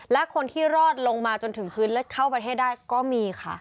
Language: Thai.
และคนที่รอดลงมาจนถึงพื้นเลิศเข้าประเทศได้ก็มีค่ะ